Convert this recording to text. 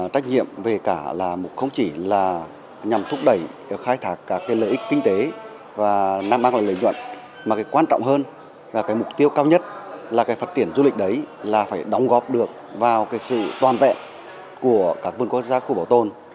trách nhiệm về cả là không chỉ là nhằm thúc đẩy khai thác các lợi ích kinh tế và đang mang lại lợi nhuận mà cái quan trọng hơn là cái mục tiêu cao nhất là cái phát triển du lịch đấy là phải đóng góp được vào cái sự toàn vẹn của các vườn quốc gia khu bảo tồn